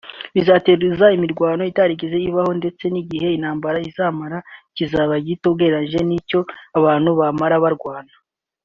bizateza imirwano itarigeze ibaho ndetse n’igihe intambara yamara cyaba gito ugereranyije n’icyo abantu bamaraga barwana